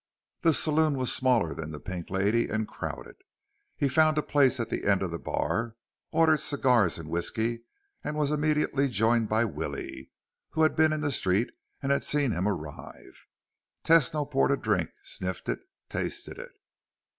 The saloon was smaller than the Pink Lady and crowded. He found a place at the end of the bar, ordered cigars and whisky, and was immediately joined by Willie, who had been in the street and had seen him arrive. Tesno poured a drink, sniffed it, tasted it.